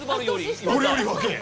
俺より若え！